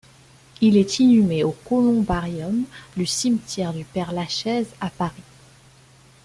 Il est inhumé au Colombarium du cimetière du Père-Lachaise à Paris.